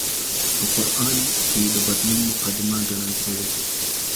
په قران کې د بدلون مقدمه ګڼل شوې ده